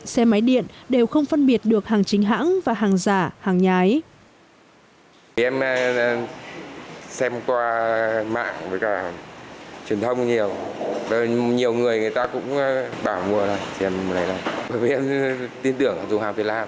xe máy điện đều không phân biệt được hàng chính hãng và hàng giả hàng nhái